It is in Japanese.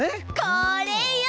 これよ！